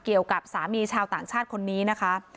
เกี่ยวกับสามีชาวต่างชาติคนนี้นะคะ